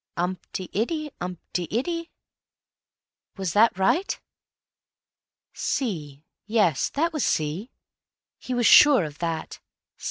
Umpty iddy umpty iddy. Was that right? C—yes, that was C. He was sure of that.